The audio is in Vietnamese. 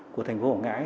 của thành phố hồ ngãi